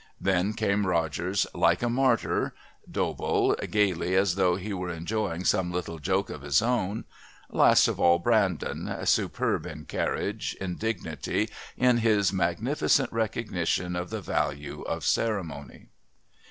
Then came Rogers like a martyr; Dobell gaily as though he were enjoying some little joke of his own; last of all, Brandon, superb in carriage, in dignity, in his magnificent recognition of the value of ceremony.